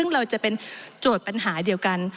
ซึ่งเราจะเป็นโจทย์ปัญหาเดียวกัน